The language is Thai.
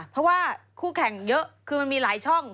เพราะว่าคู่แข่งเยอะคือมันมีหลายช่อง